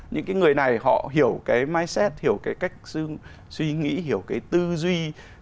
những cái người này họ hiểu cái mice hiểu cái cách suy nghĩ hiểu cái tư duy